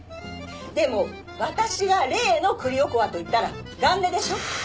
でも私が「例の栗おこわ」と言ったら岸根でしょ？